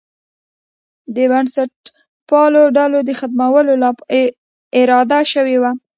د بنسټپالو ډلو د ختمولو اراده شوې وه.